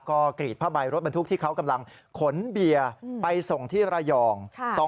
ก็กรีดผ้าใบรถบรรทุกที่เขากำลังขนเบียร์ไปส่งที่ระยอง